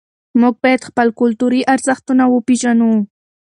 موږ باید خپل کلتوري ارزښتونه وپېژنو.